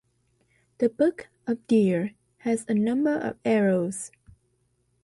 The Book of Deer has a number of errors.